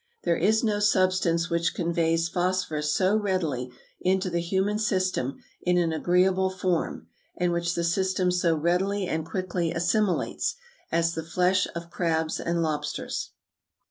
There is no substance which conveys phosphorus so readily into the human system in an agreeable form, and which the system so readily and quickly assimilates, as the flesh of crabs and lobsters."